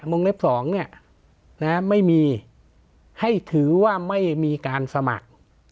วงเล็บสองเนี้ยนะฮะไม่มีให้ถือว่าไม่มีการสมัคร